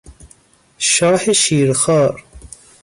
شاه شیرخوار